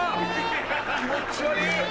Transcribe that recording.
気持ち悪い。